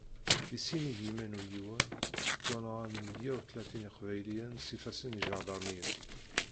Di sin igiman u yiwen ttwanɣan meyya utlatin iqbayliyen s ifassen iǧadarmiyen.